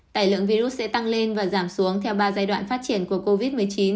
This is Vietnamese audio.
tài lượng virus sẽ tăng lên và giảm xuống theo ba giai đoạn phát triển của covid một mươi chín